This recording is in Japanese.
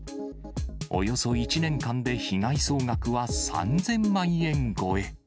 およそ１年間で被害総額は３０００万円超え。